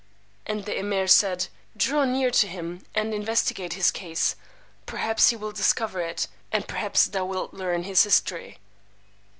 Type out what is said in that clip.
And the Emeer said, Draw near to him, and investigate his case: perhaps he will discover it, and perhaps thou wilt learn his history.